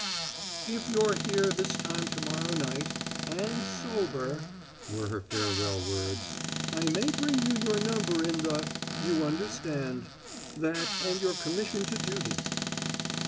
"If you're here this time to morrow night and sober," were her farewell words, "I may bring you your number in the you understand; that and your commission to duty."